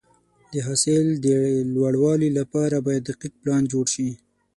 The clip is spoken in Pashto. د حاصل د لوړوالي لپاره باید دقیق پلان جوړ شي.